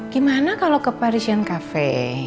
gimana kalau ke parisan cafe